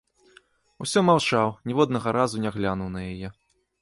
Усё маўчаў, ніводнага разу не глянуў на яе.